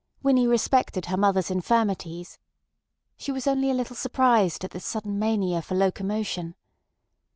Winnie respected her mother's infirmities. She was only a little surprised at this sudden mania for locomotion.